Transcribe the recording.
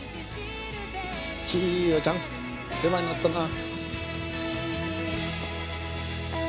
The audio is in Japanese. ちよちゃん世話になったな。